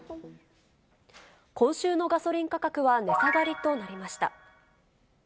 今週のガソリン価格は値下がりとなりました。